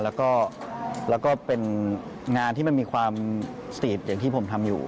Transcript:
แล้วก็เป็นงานที่มันมีความซีดอย่างที่ผมทำอยู่